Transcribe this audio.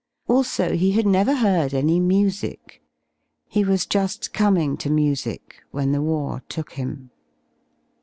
Also he had never heard ( any music. He wasjuSi coming to music whenthewartook him.